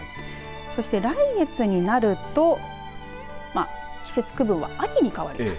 そして、来月になると季節区分は秋に変わります。